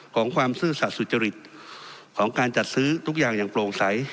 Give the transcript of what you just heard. ของความซื่อสัตว์สุจริตของการจัดซื้อทุกอย่างอย่างโปร่งใส